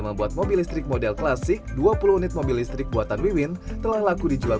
membuat mobil listrik model klasik dua puluh unit mobil listrik buatan wiwin telah laku dijual